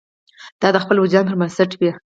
دا د خپل وجدان پر بنسټ وي.